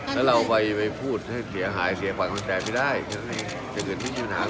ถ้าเราไปพูดเสียหายเสียขวดมันแสนไม่ได้จะเกิดที่ชีวิตหน้าเลย